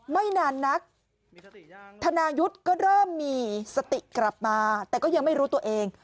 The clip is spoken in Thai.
ไม่นานนักธนายุทธ์ก็เริ่มมีสติกลับมาแต่ก็ยังไม่รู้ตัวเอง